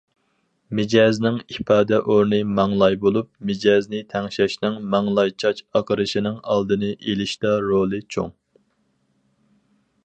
مىجەزنىڭ ئىپادە ئورنى ماڭلاي بولۇپ، مىجەزنى تەڭشەشنىڭ ماڭلاي چاچ ئاقىرىشنىڭ ئالدىنى ئېلىشتا رولى چوڭ.